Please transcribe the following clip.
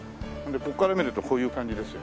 ここから見るとこういう感じですよ。